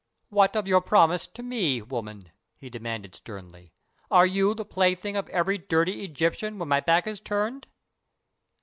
"What of your promise to me, woman?" he demanded, sternly. "Are you the plaything of every dirty Egyptian when my back is turned?"